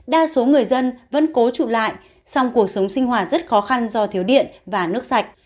đa số người dân vẫn cố trụ lại song cuộc sống sinh hoạt rất khó khăn do thiếu điện và nước sạch